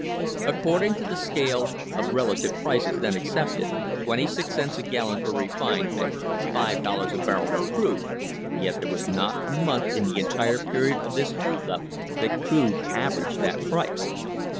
According to the scale of relative prices then accepted, twenty six cents a gallon for refined meant five dollars a barrel for crude, yet there was not a month in the entire period of this hold up that crude averaged that price.